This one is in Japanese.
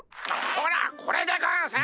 ほらこれでゴンス！